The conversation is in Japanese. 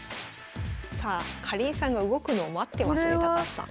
さあかりんさんが動くのを待ってますね高橋さん。